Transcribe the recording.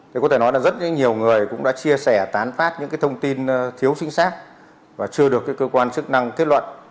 thì có thể nói là rất nhiều người cũng đã chia sẻ tán phát những cái thông tin thiếu chính xác và chưa được cơ quan chức năng kết luận